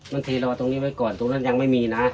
มันเทรอตรงนี้ไว้ก่อนตรงนั้นยังไม่มีนะ